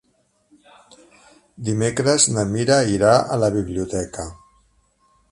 Dimecres na Mira irà a la biblioteca.